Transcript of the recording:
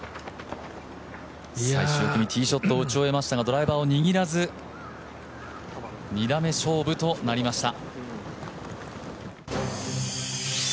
最終組ティーショットを打ち終えましたがドライバーを握らず、２打目勝負となりました。